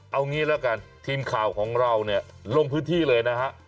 เอางี้แล้วกันทีมข่าวของเราเนี่ยลงพื้นที่เลยนะฮะ